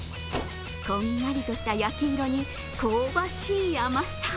こんがりとした焼き色に香ばしい甘さ。